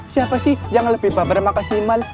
siapa sih yang lebih bapere makasimal